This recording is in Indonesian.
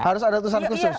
harus ada khusus